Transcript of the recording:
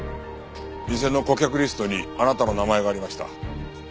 店の顧客リストにあなたの名前がありました。